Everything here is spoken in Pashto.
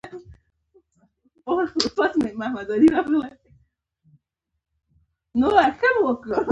د پلچک عرض باید له اتو مترو څخه زیات نه وي